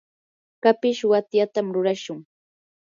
kapish watyatam rurashun.